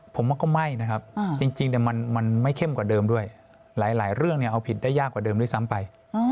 ผมว่าก็ไม่นะครับจริงมันไม่เข้มกว่าเดิมด้วยหลายเรื่องเอาผิดได้ยากกว่าเดิมด้วยซ้ำไป